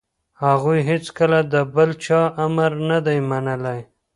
هغوی هیڅکله د بل چا امر نه دی منلی.